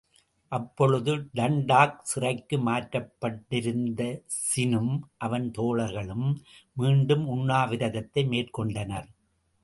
அப்பொழுது டண்டாக் சிறைக்கு மாற்றப்பட்டிருந்த ஸினும் அவன் தோழர்களும் மீண்டும் உண்ணாவிரதத்தை மேற்கொண்டனர்.